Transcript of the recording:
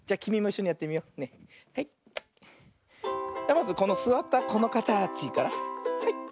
まずこのすわったこのかたちからはい。